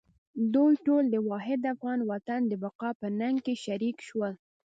دوی ټول د واحد افغان وطن د بقا په ننګ کې شریک شول.